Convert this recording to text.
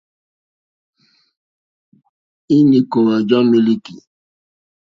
Ínì kòòwà já mílíkì.